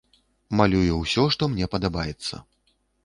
Малюю ўсё, што мне падабаецца.